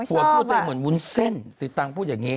โอ้วไม่ชอบว่ะสีตังก็พูดอย่างนี้